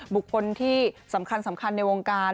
บุคคลที่สำคัญในวงการ